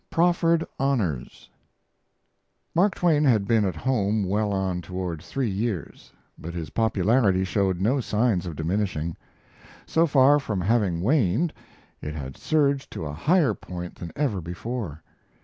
PROFFERED HONORS Mark Twain had been at home well on toward three years; but his popularity showed no signs of diminishing. So far from having waned, it had surged to a higher point than ever before.